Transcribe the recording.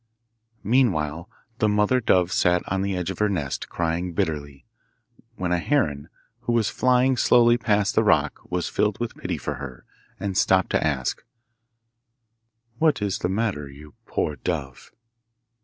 Meanwhile the mother dove sat on the edge of her nest, crying bitterly, when a heron, who was flying slowly past the rock, was filled with pity for her, and stopped to ask, 'What is the matter, you poor dove?